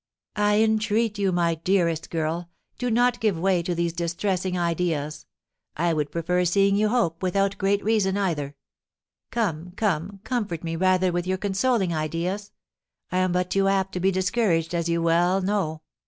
"I entreat you, my dearest girl, do not give way to these distressing ideas. I would prefer seeing you hope, without great reason, either. Come, come, comfort me rather with your consoling ideas; I am but too apt to be discouraged, as you well know."